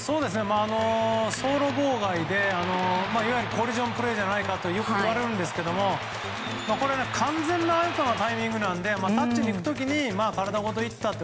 走路妨害で、いわゆるコリジョンプレーじゃないかといわれるんですけども完全なアウトなタイミングなのでタッチに行く時に体ごといったと。